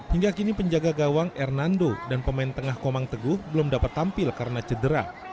hingga kini penjaga gawang hernando dan pemain tengah komang teguh belum dapat tampil karena cedera